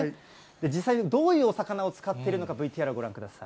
実際にどういうお魚を使っているのか、ＶＴＲをご覧ください。